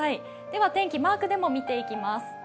では天気、マークでも見ていきます